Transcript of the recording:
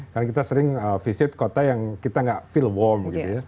karena kita sering visit kota yang kita gak feel warm gitu ya